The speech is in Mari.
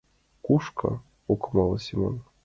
— Кушко? — ок умыло Семон.